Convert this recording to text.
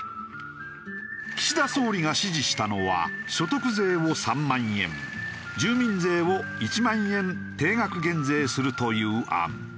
岸田総理が指示したのは所得税を３万円住民税を１万円定額減税するという案。